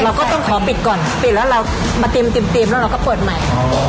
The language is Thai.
เราก็ต้องขอปิดก่อนปิดแล้วเรามาเต็มเต็มแล้วเราก็เปิดใหม่